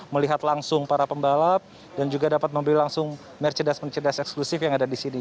melihat langsung para pembalap dan juga dapat membeli langsung mercedes merce eksklusif yang ada di sini